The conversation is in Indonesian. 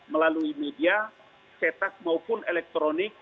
melalui media cetak maupun elektronik